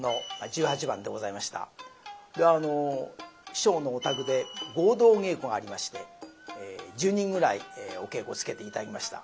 師匠のお宅で合同稽古がありまして１０人ぐらいお稽古つけて頂きました。